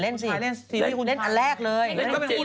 เล่นก็มาเล่นกับน้องมิวอีกรอบหนึ่ง